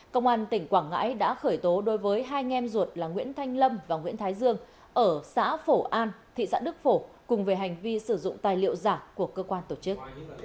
công an tỉnh quảng ngãi đã khởi tố đối với hai nghem ruột là nguyễn thanh lâm và nguyễn thái dương ở xã phổ an thị xã đức phổ cùng về hành vi sử dụng tài liệu giả của cơ quan tổ chức